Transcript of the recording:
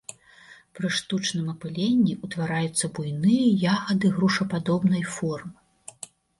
Пры штучным апыленні ўтвараюцца буйныя ягады грушападобнай формы.